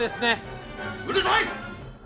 うるさい！